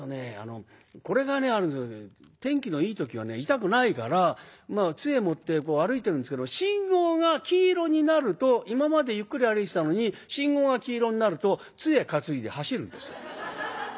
痛くないからまあ杖持って歩いてるんですけど信号が黄色になると今までゆっくり歩いてたのに信号が黄色になると杖担いで走るんですよ。